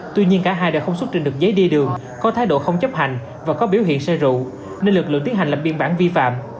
tuy nhiên cả hai đã không xuất trình được giấy đi đường có thái độ không chấp hành và có biểu hiện xe rụ nên lực lượng tiến hành lập biên bản vi phạm